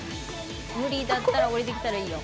無理だったら下りてきたらいいよ。